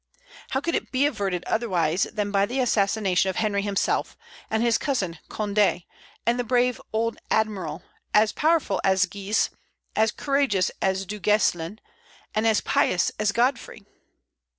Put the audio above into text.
How could it be averted otherwise than by the assassination of Henry himself, and his cousin Condé, and the brave old admiral, as powerful as Guise, as courageous as Du Gueslin, and as pious as Godfrey?